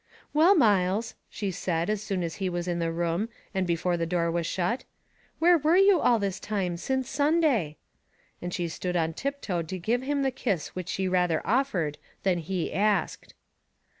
"Well, Myles," she said as soon as he was in the room, and before the door was shut, "where were you all this time, since Sunday?" and she stood on tiptoe to give him the kiss which she rather offered than he asked.